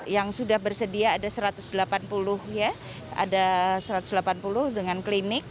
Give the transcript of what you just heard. yang sudah bersedia ada satu ratus delapan puluh ya ada satu ratus delapan puluh dengan klinik